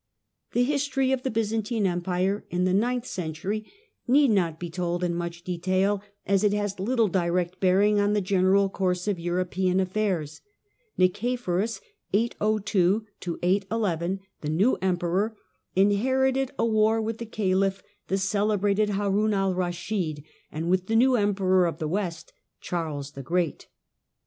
The history of the Byzantine Empire in the ninth century need not be told in much detail, as it has little direct bearing on the general course of European affairs. Nice Nicephorus, the new Emperor, inherited a war with 802 811 the Caliph, the celebrated Haroun al Raschid, and with the new Emperor of the West, Charles the Great.